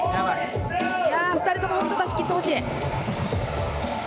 いや２人とも本当出し切ってほしい。